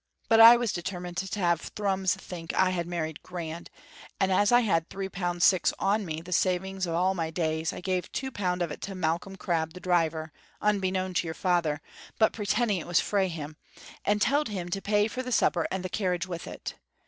But I was determined to have Thrums think I had married grand, and as I had three pound six on me, the savings o' all my days, I gave two pound of it to Malcolm Crabb, the driver, unbeknown to your father, but pretending it was frae him, and telled him to pay for the supper and the carriage with it.